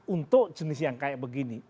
untuk jenis yang kayak begini